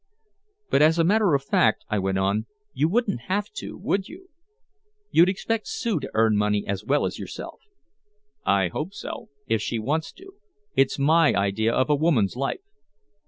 "But as a matter of fact," I went on, "you wouldn't have to, would you? You'd expect Sue to earn money as well as yourself." "I hope so if she wants to it's my idea of a woman's life."